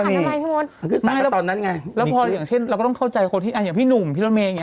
อีกอย่างเช่นเราต้องเข้าใจคนที่อย่างพี่หนุ่มหรือไม่อย่างงี้